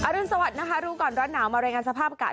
รุนสวัสดิ์นะคะรู้ก่อนร้อนหนาวมารายงานสภาพอากาศ